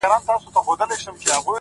گلي پر ملا باندي راماته نسې ـ